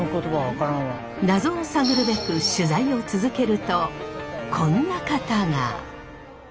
謎を探るべく取材を続けるとこんな方が。